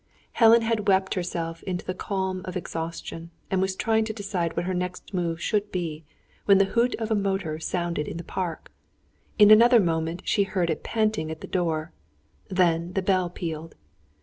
Helen had wept herself into the calm of exhaustion, and was trying to decide what her next move should be, when the hoot of a motor sounded in the park. In another moment she heard it panting at the door. Then the bell pealed.